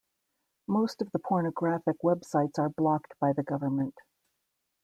Most of the pornographic websites are blocked by the government.